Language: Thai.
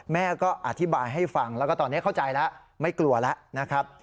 แม่ก็อธิบายให้ฟังแล้วก็ตอนนี้เข้าใจแล้วไม่กลัวแล้วนะครับ